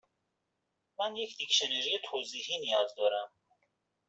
من یک دیکشنری توضیحی نیاز دارم.